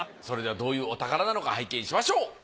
それではどういうお宝なのか拝見しましょう。